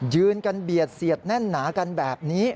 ยืนกันเบียดเสียดแน่นหนากันแบบนี้